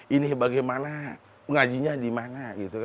ini bagaimana ngajinya di mana